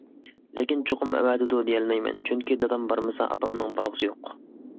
لېكىن، چوقۇم ئەۋەتىدۇ دېيەلمەيمەن، چۈنكى دادام بارمىسا، ئاپامنىڭ بارغۇسى يوق.